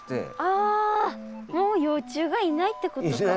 あもう幼虫がいないってことか。